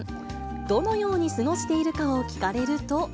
どのように過ごしているかを聞かれると。